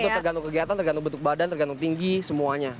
tergantung kegiatan tergantung bentuk badan tergantung tinggi semuanya